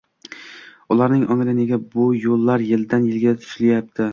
Ularning ongida «nega bu yo‘llar yildan yilga tuzatilmaydi?»